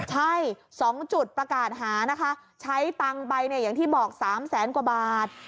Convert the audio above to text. ใช่๒จุดประกาศหานะคะใช้ตังค์ไปเนี่ยอย่างที่บอก๓แสนกว่าบาท